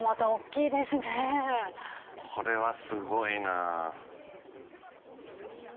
これはすごいな。